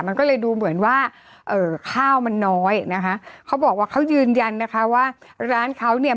มันก็เลยดูเหมือนว่าเอ่อข้าวมันน้อยนะคะเขาบอกว่าเขายืนยันนะคะว่าร้านเขาเนี่ย